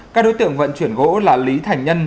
các đối tượng vận chuyển gỗ là lý thành nhân